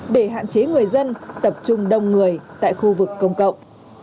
để hạn chế người dân tập trung đông người tại khu vực công cộng